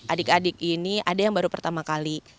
adik adik ini ada yang baru pertama kali